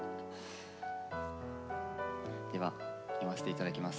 では読ませて頂きます。